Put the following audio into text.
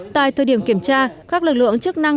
tại thời điểm kiểm tra các lực lượng chức năng